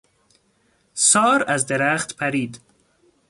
سار از درخت پرید.